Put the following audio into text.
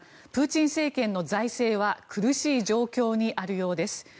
プーチン政権の財政は苦しい状況にあるようです。